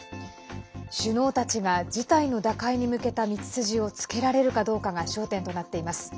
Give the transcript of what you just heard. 首脳たちが事態の打開に向けた道筋をつけられるかどうかが焦点となっています。